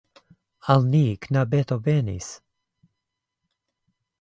Al ni knabeto venis!